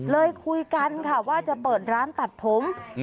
คุยกันค่ะว่าจะเปิดร้านตัดผม